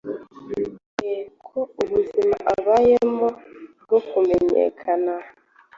e ko ubuzima abayemo bwo kumenyekana